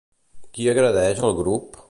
Qui agredeix al grup?